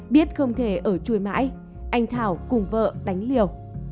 biết không thể ở chui mãi anh thảo cùng vợ đánh liều